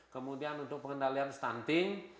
kemudian untuk pengendalian stunting